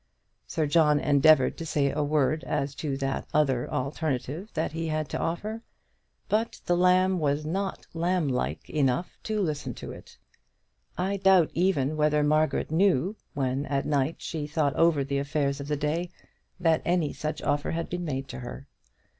Sir John endeavoured to say a word as to that other alternative that he had to offer, but the lamb was not lamb like enough to listen to it. I doubt even whether Margaret knew, when at night she thought over the affairs of the day, that any such offer had been made to her.